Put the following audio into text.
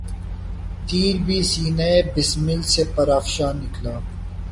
تیر بھی سینۂ بسمل سے پرافشاں نکلا